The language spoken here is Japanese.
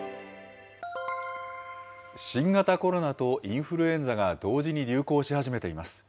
新型コロナとインフルエンザが同時に流行し始めています。